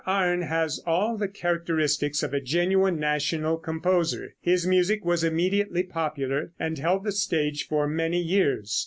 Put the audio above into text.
Arne has all the characteristics of a genuine national composer. His music was immediately popular, and held the stage for many years.